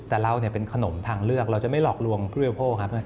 แต่เราเป็นขนมทางเลือกเราจะไม่หลอกลวงผู้บริโภคครับ